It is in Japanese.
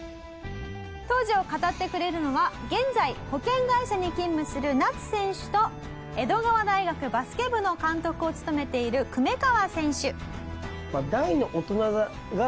当時を語ってくれるのは現在保険会社に勤務する夏選手と江戸川大学バスケ部の監督を務めている粂川選手。